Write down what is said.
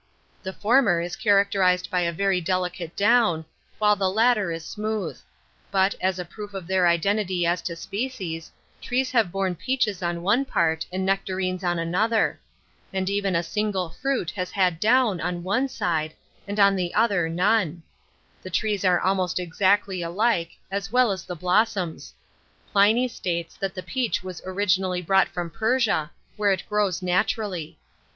The former is characterized by a very delicate down, while the latter is smooth; but, as a proof of their identity as to species, trees have borne peaches on one part and nectarines on another; and even a single fruit has had down on one side, and on the other none; the trees are almost exactly alike, as well as the blossoms. Pliny states that the peach was originally brought from Persia, where it grows naturally.